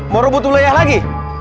mau rebut uleyah lagi